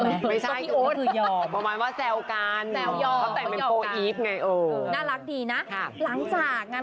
แต่ว่าคุณปฏิเสธได้แสดงคุณยังมีสันติกอยู่ใช่ไหมคุณ